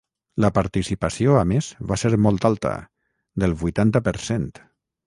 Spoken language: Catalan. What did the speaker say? La participació, a més, va ser molt alta, del vuitanta per cent.